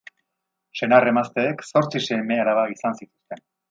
Senar-emazteek zortzi seme-alaba izan zituzten.